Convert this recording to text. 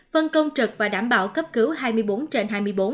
phân công trực và đảm bảo cấp cứu hai mươi bốn trên hai mươi bốn